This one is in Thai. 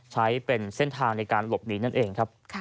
ใช้เป็นเส้นทางในการหลบหนีนั่นเองครับ